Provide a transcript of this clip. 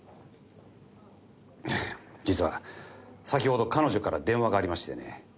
実は先ほど彼女から電話がありましてね。